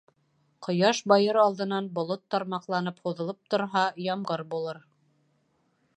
Ҡояш байыр алдынан болот тармаҡланып һуҙылып торһа, ямғыр булыр.